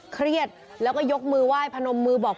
เครียดแล้วก็ยกมือไหว้พนมมือบอก